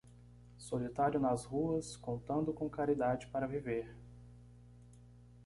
Solitário nas ruas, contando com caridade para viver